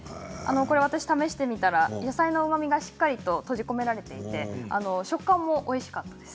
これは私が試してみたら野菜のうまみがしっかり閉じ込められていて食感もおいしかったです。